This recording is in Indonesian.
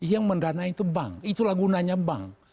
yang mendanai itu bank itulah gunanya bank